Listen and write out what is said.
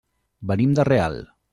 Venim de Real.